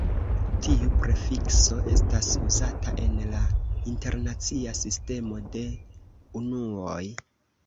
Tiu prefikso estas uzata en la internacia sistemo de unuoj.